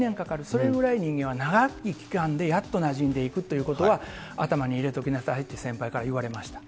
それぐらい人間は長い期間でやっとなじんでいくということは、頭に入れておきなさいって先輩から言われました。